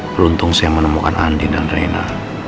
beruntung saya menemukan andi dan reina